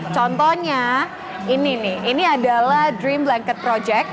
contohnya ini nih ini adalah dream blanket project